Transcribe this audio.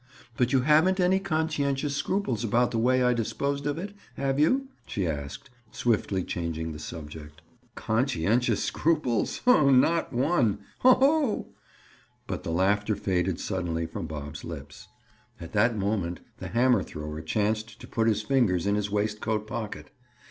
But you haven't any conscientious scruples about the way I disposed of it, have you?" she asked, swiftly changing the subject. "Conscientious scruples? Not one. Ho! ho!" But the laughter faded suddenly from Bob's lips. At that moment the hammer thrower chanced to put his fingers in his waistcoat pocket.